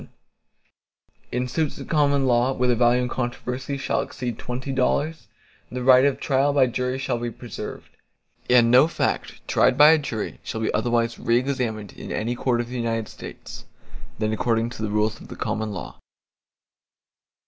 VII In suits at common law, where the value in controversy shall exceed twenty dollars, the right of trial by jury shall be preserved, and no fact tried by a jury shall be otherwise re examined in any court of the United States, than according to the rules of the common law.